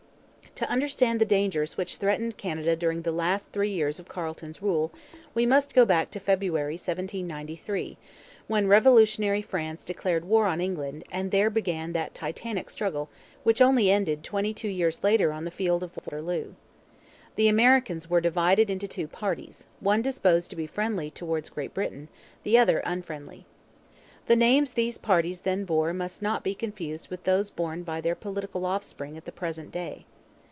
To understand the dangers which threatened Canada during the last three years of Carleton's rule we must go back to February 1793, when revolutionary France declared war on England and there then began that titanic struggle which only ended twenty two years later on the field of Waterloo. The Americans were divided into two parties, one disposed to be friendly towards Great Britain, the other unfriendly. The names these parties then bore must not be confused with those borne by their political offspring at the present day.